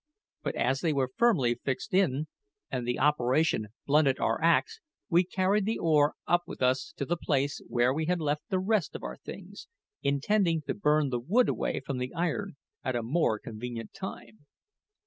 But as they were firmly fixed in, and the operation blunted our axe, we carried the oar up with us to the place where we had left the rest of our things, intending to burn the wood away from the iron at a more convenient time.